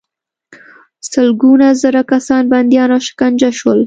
سلګونه زره کسان بندیان او شکنجه شول.